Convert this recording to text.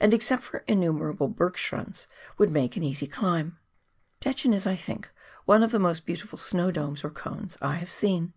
and, except for innumerable berg' schrunds, would make an easy climb. Dechen is, I think, one of the most beautiful snow domes, or cones, I have seen.